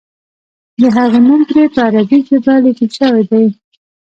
د هغه نوم پرې په عربي ژبه لیکل شوی دی.